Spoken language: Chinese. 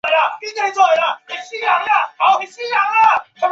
主要角色名称列表。